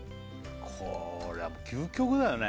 これは究極だよね